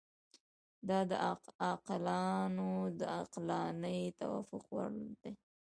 دا د عاقلانو د عقلاني توافق وړ دي.